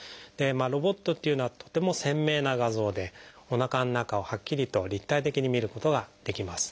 ロボットっていうのはとても鮮明な画像でおなかの中をはっきりと立体的にみることができます。